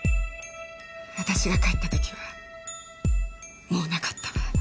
私が帰った時はもうなかったわ。